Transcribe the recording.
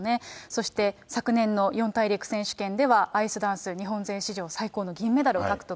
そして昨年の四大陸選手権では、アイスダンス日本勢史上、最高の銀メダルを獲得。